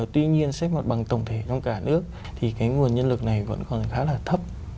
tuy nhiên xét mặt bằng tổng thể trong cả nước thì cái nguồn nhân lực này vẫn còn khá là thấp